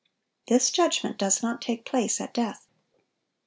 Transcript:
This judgment does not take place at death.